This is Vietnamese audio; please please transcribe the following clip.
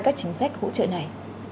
các chính sách hỗ trợ này